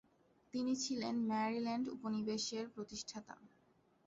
তিনি ছিলেন ম্যারিল্যান্ড উপনিবেশের প্রতিষ্ঠাতা।